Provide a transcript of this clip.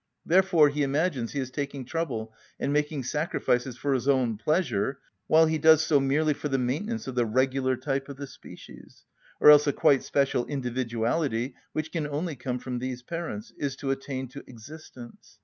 Therefore he imagines he is taking trouble and making sacrifices for his own pleasure, while he does so merely for the maintenance of the regular type of the species, or else a quite special individuality, which can only come from these parents, is to attain to existence.